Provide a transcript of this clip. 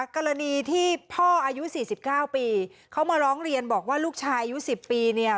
กรณีที่พ่ออายุ๔๙ปีเขามาร้องเรียนบอกว่าลูกชายอายุ๑๐ปีเนี่ย